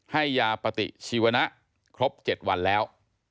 ให้ยาปฏิชีวนะครบ๗วันแล้ว